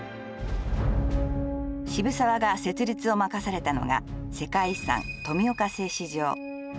渋沢が設立を任されたのが世界遺産・富岡製糸場。